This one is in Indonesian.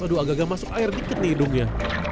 aduh agak agak masuk air dikit nih hidungnya